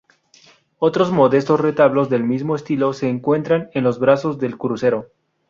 Otros modestos retablos del mismo estilo se encuentran en los brazos del crucero.